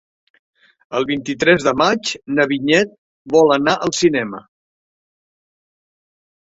El vint-i-tres de maig na Vinyet vol anar al cinema.